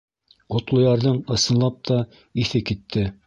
Ҡотлоярҙың ысынлап та иҫе китте: